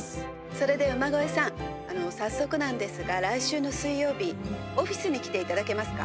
「それで馬越さん早速なんですが来週の水曜日オフィスに来ていただけますか？」。